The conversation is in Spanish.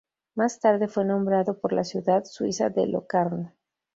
Más tarde fue nombrado por la ciudad suiza de Locarno.